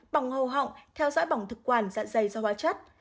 bỏng hầu họng theo dõi bỏng thực quản dạng dày do hóa chất